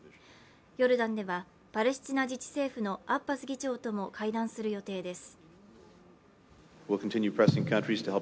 ヨルダンではパレスチナ自治政府のアッバス議長とも会談する予定です。